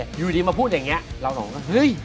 อยู่ดีมาพูดอย่างนี้เราบอกว่าเฮ้ย